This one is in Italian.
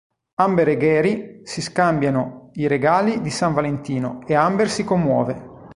Amber e Gary si scambiano i regali di San Valentino e Amber si commuove.